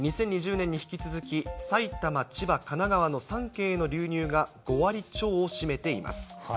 ２０２０年に引き続き、埼玉、千葉、神奈川の３県への流入が５割超を占めています。